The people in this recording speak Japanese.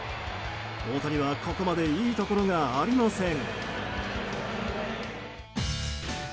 大谷はここまでいいところがありません。